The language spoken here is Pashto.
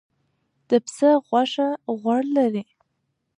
د پسه غوښه غوړ لري.